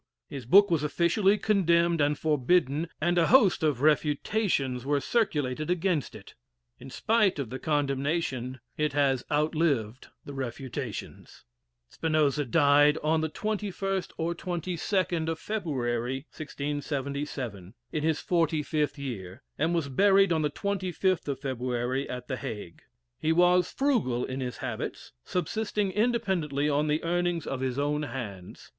His book was officially condemned and forbidden, and a host of refutations (?) were circulated against it. In spite of the condemnation it has outlived the refutations. Spinoza died on the 21st or 22nd of February, 1677, in his forty fifth year, and was buried on the 25th of February at the Hague. He was frugal in his habits, subsisting independently on the earnings of his own hands.